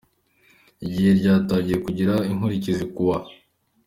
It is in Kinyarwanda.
gihe ryatangiye kugira inkurikizi ku wa.